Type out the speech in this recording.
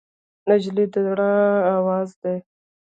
نجلۍ د زړه آواز دی.